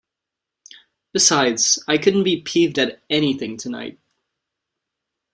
Besides, I couldn't be peeved at anything tonight.